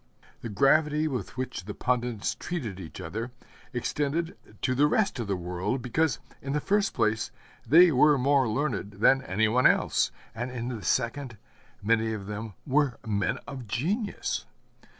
The gravity with which the pundits treated each other extended to the rest of the world, because, in the first place, they were more learned than any one else, and in the second, many of them were men of genius.